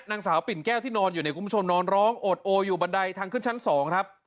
นางสาวปิ่นแก้วที่นอนอยู่เนี่ยคุณผู้ชมนอนร้องโอดโออยู่บันไดทางขึ้นชั้น๒ครับ